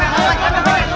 weh lewat situ aja weh